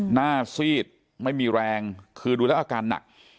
ซีดไม่มีแรงคือดูแล้วอาการหนัก